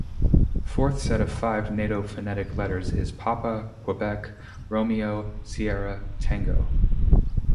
Forth set of five Nato phonetic letters is Papa, Quebec, Romeo, Sierra, Tango.